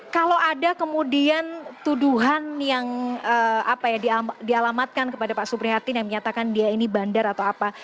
kalau ada kemudian tuduhan yang dialamatkan kepada pak suprihatin yang menyatakan dia ini bandar atau apa